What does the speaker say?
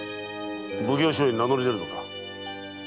奉行所へ名乗り出るのか？